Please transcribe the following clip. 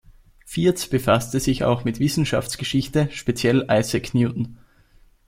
Fierz befasste sich auch mit Wissenschaftsgeschichte, speziell Isaac Newton.